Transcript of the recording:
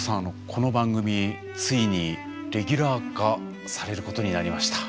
この番組ついにレギュラー化されることになりました。